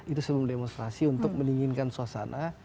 itu sebelum demonstrasi untuk mendinginkan suasana